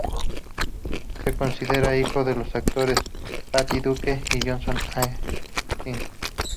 Se considera hijo de los actores Patty Duke y John Astin.